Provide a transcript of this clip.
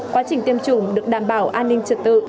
quá trình tiêm chủng được đảm bảo an ninh trật tự